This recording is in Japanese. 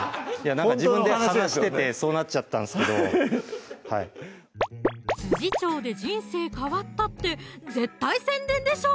自分で話しててそうなっちゃったんすけど調で人生変わったって絶対宣伝でしょう！